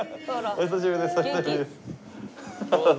お久しぶりです